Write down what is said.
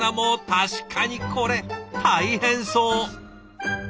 確かにこれ大変そう。